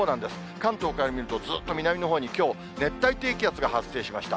関東から見ると、ずっと南のほうにきょう、熱帯低気圧が発生しました。